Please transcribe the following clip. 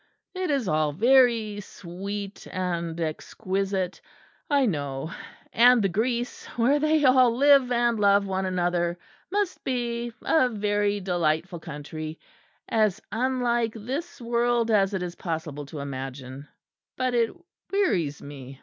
It is all very sweet and exquisite, I know; and the Greece, where they all live and love one another, must be a very delightful country, as unlike this world as it is possible to imagine; but it wearies me.